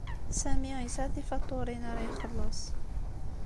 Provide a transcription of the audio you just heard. Sami yesɛa tifatuṛin ara ixelleṣ.